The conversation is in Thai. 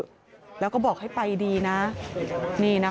พอลูกเขยกลับเข้าบ้านไปพร้อมกับหลานได้ยินเสียงปืนเลยนะคะ